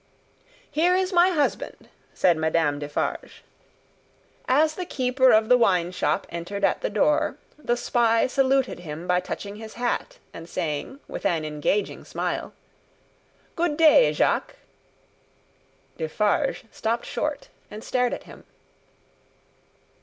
" Here is my husband!" said Madame Defarge. As the keeper of the wine shop entered at the door, the spy saluted him by touching his hat, and saying, with an engaging smile, "Good day, Jacques!" Defarge stopped short, and stared at him.